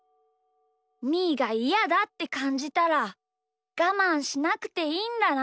みーがイヤだってかんじたらがまんしなくていいんだな。